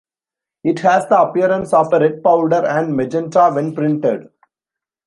It has the appearance of a red powder and magenta when printed.